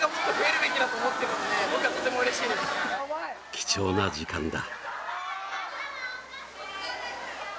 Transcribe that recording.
貴重な時間だ。